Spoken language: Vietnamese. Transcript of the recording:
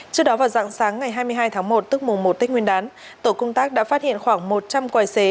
trước đó vào dạng sáng ngày hai mươi hai tháng một tức mùa một tết nguyên đán tổ công tác đã phát hiện khoảng một trăm linh còi xế